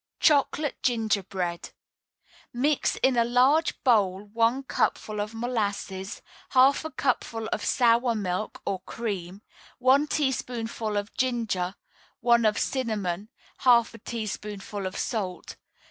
CHOCOLATE GINGERBREAD Mix in a large bowl one cupful of molasses, half a cupful of sour milk or cream, one teaspoonful of ginger, one of cinnamon, half a teaspoonful of salt.